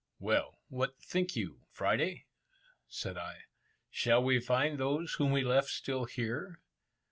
"Well, what think you, Friday?" said I; "shall we find those whom we left still here?